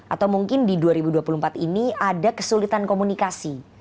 atau mungkin di dua ribu dua puluh empat ini ada kesulitan komunikasi